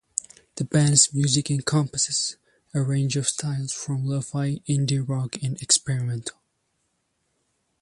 The band's music encompasses a range of styles from lo-fi, indie rock and experimental.